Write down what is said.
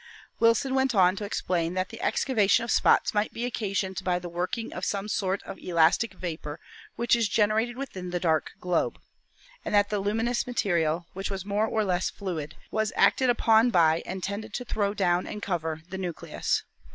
Wilson went on to explain that the excavation of spots might be occasioned "by the working of some sort of elastic vapor which is generated within the dark globe," and that the luminous material, which was more or less THE SUN 101 fluid, was acted upon by and tended to throw down and cover the nucleus.